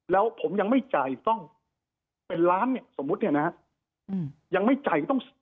แล้วผมยังไม่จ่ายต้องเป็นล้านเนี่ยสมมุติเนี่ยนะฮะยังไม่จ่ายก็ต้อง